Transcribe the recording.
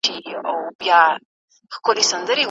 حضوري زده کړه زده کوونکو عملي تجربه ترلاسه کول.